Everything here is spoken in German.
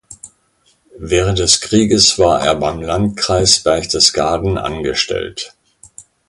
Während des Krieges war er beim Landkreis Berchtesgaden angestellt.